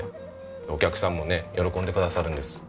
お客さんもね喜んでくださるんです。